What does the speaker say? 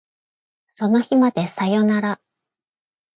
その日までさよなら